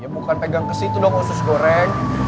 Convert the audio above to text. ya bukan pegang kesitu dong usus goreng